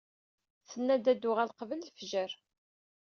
Tenna-d ad tuɣal qbel lefjer.